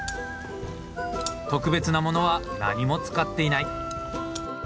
特別なものは何も使っていない。